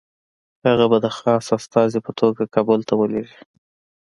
هغه به د خاص استازي په توګه کابل ته ولېږي.